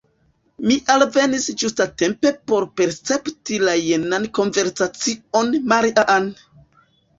Mi alvenis ĝustatempe por percepti la jenan konversacion: «Maria-Ann! »